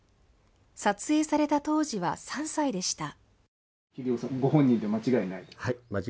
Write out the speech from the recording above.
撮影された当時は３歳でした。